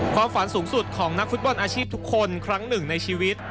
ความฝันสูงสุดของนักฟุตบอลอาชีพทุกคนครั้งหนึ่งในชีวิต